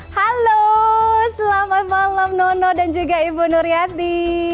halo selamat malam nono dan juga ibu nur yadi